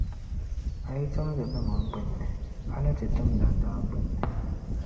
A yi timdi limam gbin’ ni a ni ti tim landana gbin’ ni.